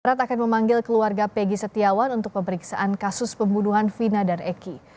erat akan memanggil keluarga peggy setiawan untuk pemeriksaan kasus pembunuhan vina dan eki